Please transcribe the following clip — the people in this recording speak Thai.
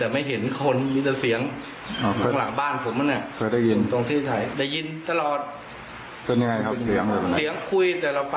มีเสียงคุย